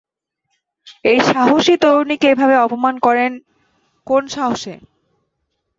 এই সাহসী তরুণীকে এভাবে অপমান করেন কোন সাহসে?